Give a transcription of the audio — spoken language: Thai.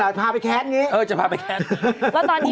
จะพาไปแค้นไง